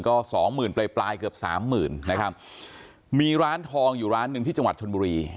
ก็สองหมื่นปลายปลายเกือบสามหมื่นนะครับมีร้านทองอยู่ร้านหนึ่งที่จังหวัดชนบุรี